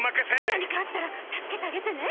なにかあったらたすけてあげてね。